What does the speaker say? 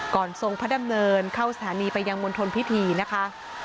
ทรงพระดำเนินเข้าสถานีไปยังมณฑลพิธีนะคะ